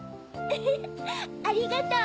フフっありがとう。